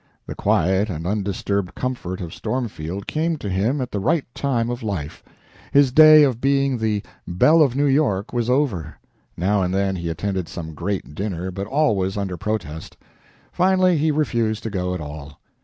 The quiet and undisturbed comfort of Stormfield came to him at the right time of life. His day of being the "Belle of New York" was over. Now and then he attended some great dinner, but always under protest. Finally he refused to go at all.